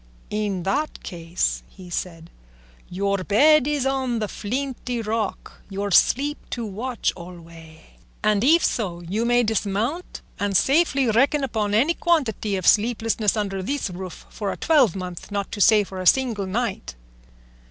"In that case," said he, "'Your bed is on the flinty rock, Your sleep to watch alway;' and if so, you may dismount and safely reckon upon any quantity of sleeplessness under this roof for a twelvemonth, not to say for a single night."